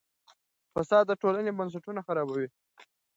فساد د ټولنې بنسټونه خرابوي.